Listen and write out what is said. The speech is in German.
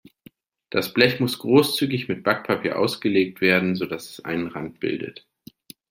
Das Blech muss großzügig mit Backpapier ausgelegt werden, sodass es einen Rand bildet.